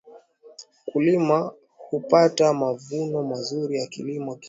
Mkulima hupata mavuono mazuri akilima kitaalam